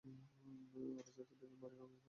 আরে চাচা, দেখেন বাড়ী রঙের কাজ প্রায় শেষ।